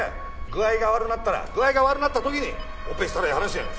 具合が悪なったら具合が悪なった時にオペしたらええ話やねん。